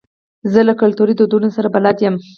زه له کلتوري دودونو سره بلد یم.